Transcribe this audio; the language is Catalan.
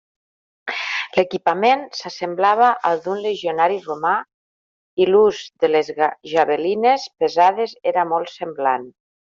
L'equipament s'assemblava al d'un legionari romà i l'ús de les javelines pesades era molt semblant.